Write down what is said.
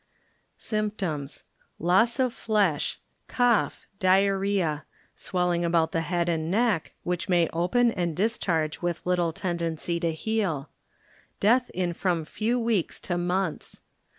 Symptoms. ŌĆö Loss of flesh, cough, diar rhie^ swelling about the head and neck, which may open and discharge with little tendency to heal; death in from few weeks to months.